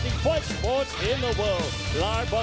แฟนมวยทั่วประเทศและแฟนมวยทั่วทุกมุมโลก